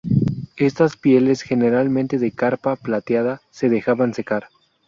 Estas pieles, generalmente de carpa plateada, se dejaban secar.